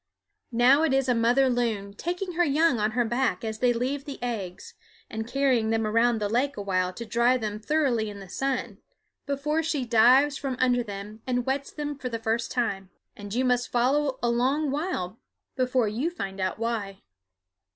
Now it is a mother loon taking her young on her back as they leave the eggs, and carrying them around the lake awhile to dry them thoroughly in the sun before she dives from under them and wets them for the first time; and you must follow a long while before you find out why.